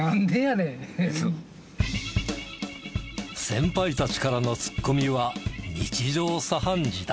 先輩たちからのツッコミは日常茶飯事だ。